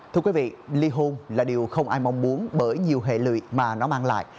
thưa quý vị ly hôn là điều không ai mong muốn bởi nhiều hệ lụy mà nó mang lại